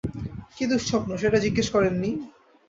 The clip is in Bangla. কী দুঃস্বপ্ন, সেটা জিজ্ঞেস করেন নি?